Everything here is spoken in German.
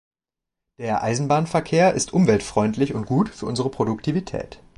Der Eisenbahnverkehr ist umweltfreundlich und gut für unsere Produktivität.